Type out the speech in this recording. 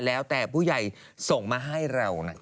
แล้วแต่ผู้ใหญ่ส่งมาให้เรานะครับ